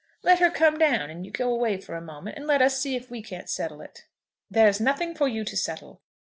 Let her come down, and you go away for a moment, and let us see if we can't settle it." "There is nothing for you to settle.